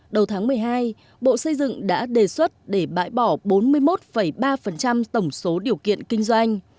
đầu tháng một mươi hai bộ xây dựng đã đề xuất để bãi bỏ bốn mươi một ba tổng số điều kiện kinh doanh